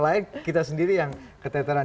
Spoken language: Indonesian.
lain kita sendiri yang keteteran